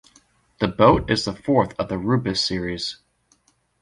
The boat is the fourth of the "Rubis" series.